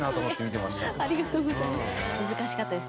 ありがとうございます。